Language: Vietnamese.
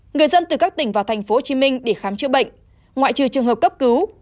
người dân từ các tỉnh và thành phố hồ chí minh để khám chữa bệnh ngoại trừ trường hợp cấp cứu